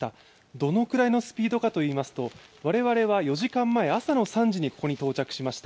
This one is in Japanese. どのくらいのスピードかといいますと、我々は４時間前、朝の３時にここに到着しました。